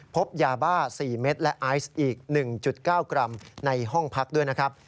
พบยาบ้า๔เม็ดและไอซ์อีก๑๙กรัมในห้องพักด้วยนะครับ